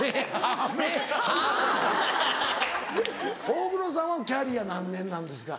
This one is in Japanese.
大黒さんはキャリア何年なんですか？